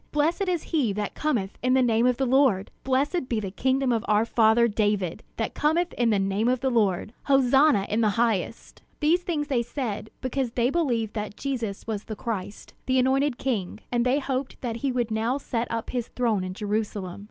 Blessed is he that cometh in the name of the Lord! Blessed be the kingdom of our father David, that cometh in the name of the Lord! Hosanna in the highest!" These things they said, because they believed that Jesus was the Christ, the Anointed King; and they hoped that he would now set up his throne in Jerusalem.